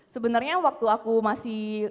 sebenarnya waktu aku masih